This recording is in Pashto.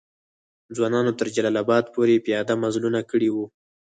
ځوانانو تر جلال آباد پوري پیاده مزلونه کړي وو.